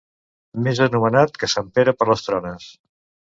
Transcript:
Més anomenat que sant Pere per les trones.